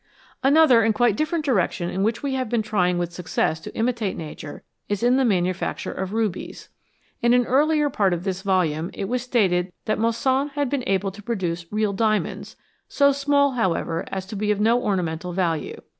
Another and quite different direction in which we have been trying with success to imitate Nature is in the manufacture of rubies. In an earlier part of this volume it was stated that Moissan had been able to produce real diamonds, so small, however, as to be of no ornamental value.